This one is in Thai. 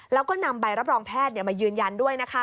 แล้วก็นำใบรับรองแพทย์มายืนยันด้วย